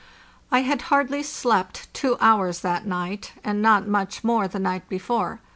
I had hardly slept two hours that night, and not much more the night before.